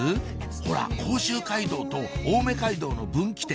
ほら甲州街道と青梅街道の分岐点